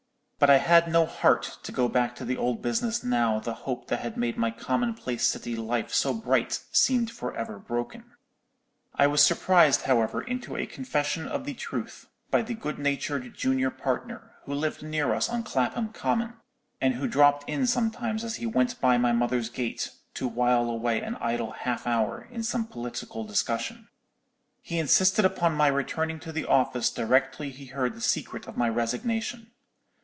But I had no heart to go back to the old business now the hope that had made my commonplace city life so bright seemed for ever broken. I was surprised, however, into a confession of the truth by the good natured junior partner, who lived near us on Clapham Common, and who dropped in sometimes as he went by my mother's gate, to while away an idle half hour in some political discussion. "He insisted upon my returning to the office directly he heard the secret of my resignation.